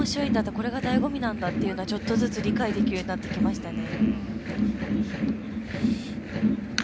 ここが、だいご味なんだってちょっとずつ理解できるようになってきましたね。